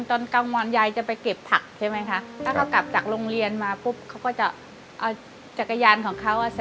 ช่วยยายเก็บผักแล้วก็ทำขนมครับ